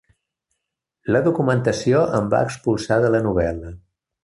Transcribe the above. La documentació em va expulsar de la novel·la.